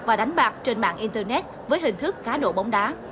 và đánh bạc trên mạng internet với hình thức cá độ bóng đá